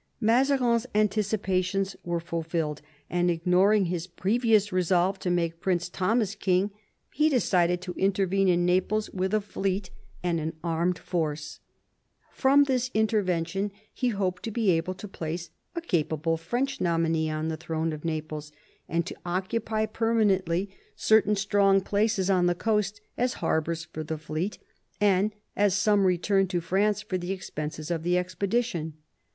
Mazarin's anticipations were fulfilled, and, ignoring his previous resolve to make Prince Thomas king, he decided to intervene in Naples with a fleet and an armed 80 MAZARIN chap. force. From this intervention he hoped to be able to place a capable French nominee on the throne of Naples, and to occupy permanently certain strong places on the coast as harbours for the fleet, and as some return to France for the expenses of the expedition.